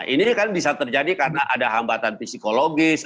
ini kan bisa terjadi karena ada hambatan psikologis